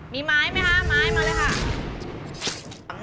มีไม้ไหมคะไม้มาเลยค่ะ